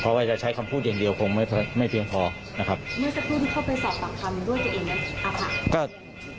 เพราะว่าจะใช้คำพูดอย่างเดียวคงไม่ไม่เพียงพอนะครับเมื่อสักครู่ที่เข้าไปสอบปากคำด้วยตัวเองแล้วอะค่ะ